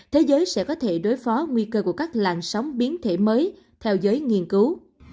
thế giới sẽ có thể đối phó nguy cơ của các làn sóng biến thể mới theo giới nghiên cứu